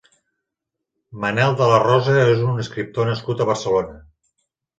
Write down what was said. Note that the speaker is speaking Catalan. Manel de la Rosa és un escriptor nascut a Barcelona.